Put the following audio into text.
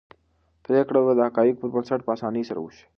پرېکړه به د حقایقو پر بنسټ په اسانۍ سره وشي.